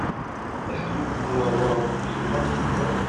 Est-ce que nous pouvons avoir un peu plus de pain s'il vous plait ?